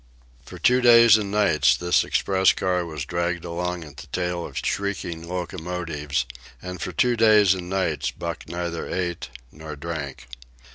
For two days and nights this express car was dragged along at the tail of shrieking locomotives; and for two days and nights Buck neither ate nor drank.